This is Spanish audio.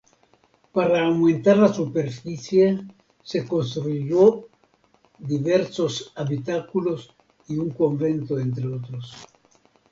Para aumentar la superficie se construyó diversos habitáculos y un convento, entre otros.